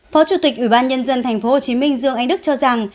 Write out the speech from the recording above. phó chủ tịch ủy ban nhân dân tp hcm dương anh đức cho rằng